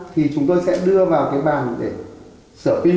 thì chúng tôi sẽ đưa vào cái bàn để sửa p